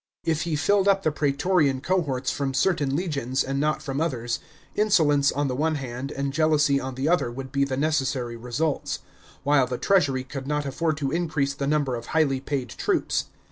If he filled up tho prsetorian cohorts from certain legions and not from others, insolence on the one hand and jealousy on the other would be the necessary results ; while the treasury could not afford to increase the number of highly paid troops.